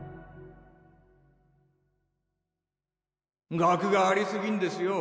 学があり過ぎんですよ。